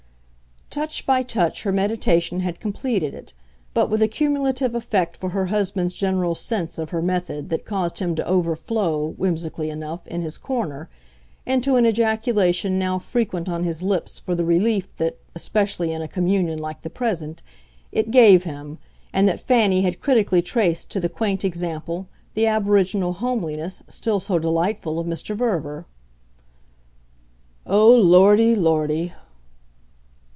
Touch by touch her meditation had completed it, but with a cumulative effect for her husband's general sense of her method that caused him to overflow, whimsically enough, in his corner, into an ejaculation now frequent on his lips for the relief that, especially in communion like the present, it gave him, and that Fanny had critically traced to the quaint example, the aboriginal homeliness, still so delightful, of Mr. Verver. "Oh, Lordy, Lordy!"